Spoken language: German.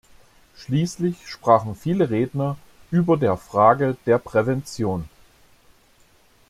Schließlich sprachen viele Redner über der Frage der Prävention.